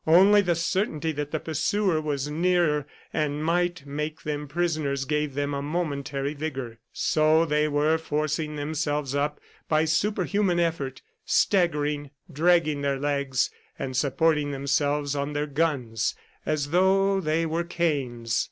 Only the certainty that the pursuer was near and might make them prisoners gave them a momentary vigor. So they were forcing themselves up by superhuman effort, staggering, dragging their legs, and supporting themselves on their guns as though they were canes.